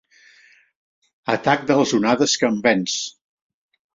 Atac de les onades que em venç.